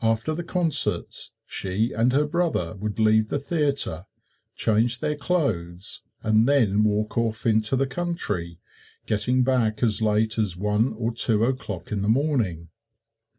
After the concerts she and her brother would leave the theater, change their clothes and then walk off into the country, getting back as late as one or two o'clock in the morning.